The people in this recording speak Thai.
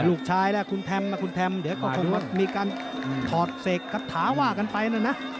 ลูกชายแหละคุณแถมคุณแถมเดี๋ยวก็คงว่ามีการถอดเสกถาว่ากันไปหน่อยนะ